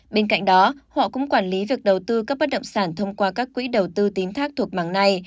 bên cạnh đó họ cũng quản lý việc đầu tư các bất động sản thông qua các quỹ đầu tư tín thác thuộc mạng này